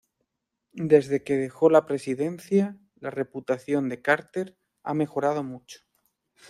Desde que dejó la presidencia, la reputación de Carter ha mejorado mucho.